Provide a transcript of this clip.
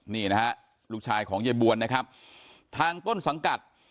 นี่ลูกชายของไอ้บวนทางต้นสังกัด